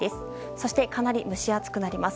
そして、かなり蒸し暑くなります。